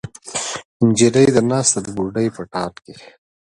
نجلۍ ده ناسته د بوډۍ په ټال کې